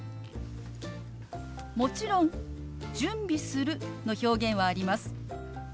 もちろん「準備する」の表現はあります。